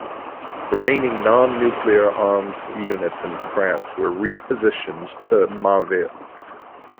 Remaining non-nuclear armed units in France were re-positioned to Marville.